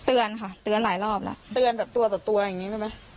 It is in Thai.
เตือนค่ะเตือนหลายรอบแล้วเตือนแบบตัวแบบตัวอย่างนี้ได้ไหม